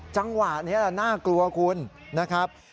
จังหวะนี้น่ากลัวคุณนะครับ